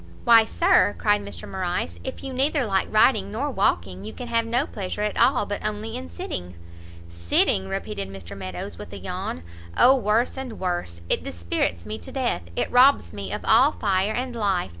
"Why, Sir," cried Morrice, "if you neither like riding nor walking, you can have no pleasure at all but only in sitting." "Sitting!" repeated Mr Meadows, with a yawn, "O worse and worse! it dispirits me to death! it robs me of all fire and life!